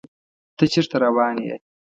ته چیرته روان یې؟